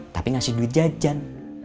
tapi ngasih duit jajan